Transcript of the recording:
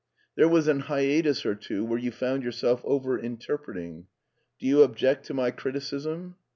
There was an hiatus or two where you found yourself over interpreting. Do you object to my criticism